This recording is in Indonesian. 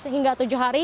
hingga tujuh hari